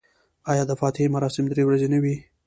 آیا د فاتحې مراسم درې ورځې نه وي؟